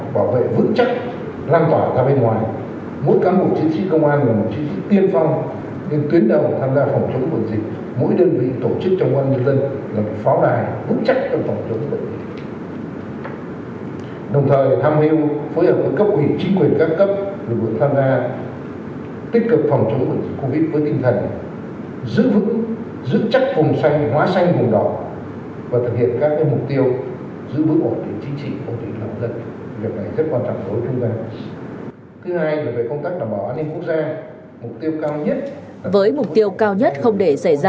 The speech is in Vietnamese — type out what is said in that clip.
vừa tích cực tham gia phòng chống để lùi dịch covid một mươi chín giữ vững ổn định chính trị xã hội của đất nước